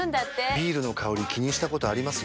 ビールの香り気にしたことあります？